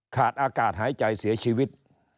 ขาดอากาศหายใจเสียชีวิต